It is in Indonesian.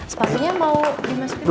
sepatunya mau dimasukin